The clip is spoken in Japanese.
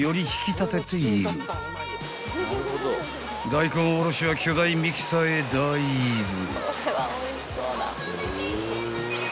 ［大根おろしは巨大ミキサーへダイブ］